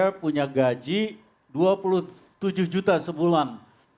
saya punya gaji dua puluh tujuh juta sebulan